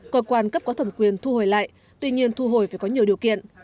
cơ quan cấp có thẩm quyền thu hồi lại tuy nhiên thu hồi phải có nhiều điều kiện